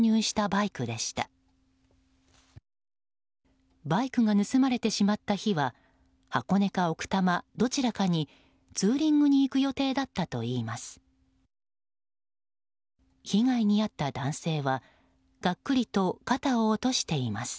バイクが盗まれてしまった日は箱根か奥多摩、どちらかにツーリングに行く予定だったといいます。